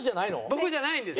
僕じゃないんです。